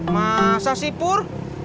masa sih pur